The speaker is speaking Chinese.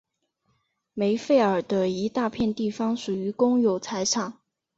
梅费尔的一大片地方属于公有财产。